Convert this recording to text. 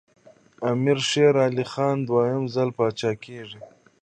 امیر شېر علي خان دوهم ځل پاچا کېږي.